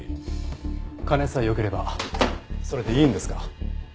金さえ良ければそれでいいんですか？